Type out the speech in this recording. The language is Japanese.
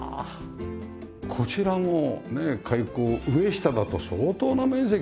こちらの開口上下だと相当な面積ですね。